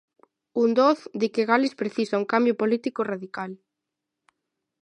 Undod di que Gales precisa un cambio político radical.